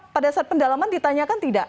pada saat pendalaman ditanyakan tidak